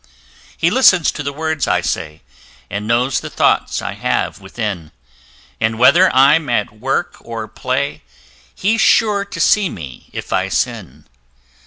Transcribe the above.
He listens to the words I say, And knows the thoughts I have within, And whether I'm at work or play, He's sure to see me if I sin.